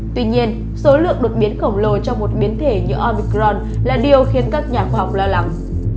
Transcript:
tuy nhiên số lượng đột biến khổng lồ cho một biến thể như obicron là điều khiến các nhà khoa học lo lắng